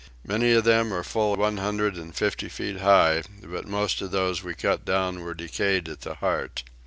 Many of them are full one hundred and fifty feet high; but most of those that we cut down were decayed at the heart.